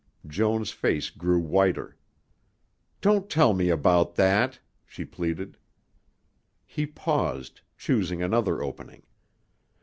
Joan's face grew whiter. "Don't tell about that," she pleaded. He paused, choosing another opening.